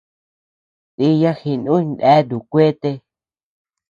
Diya jinuy neatuu kuete.